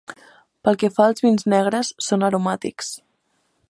Pel que fa als vins negres, són aromàtics.